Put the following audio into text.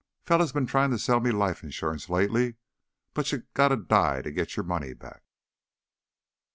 Feller been tryin' to sell me life insurance, lately, but you gotta die to get your money back.